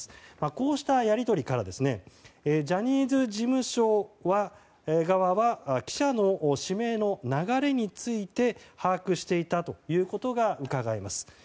こうしたやり取りからジャニーズ事務所側は記者の指名の流れについて把握していたということがうかがえます。